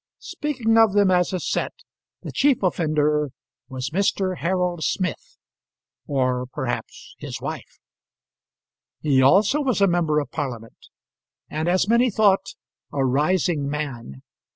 Speaking of them as a set, the chief offender was Mr. Harold Smith, or perhaps his wife. He also was a member of Parliament, and, as many thought, a rising man.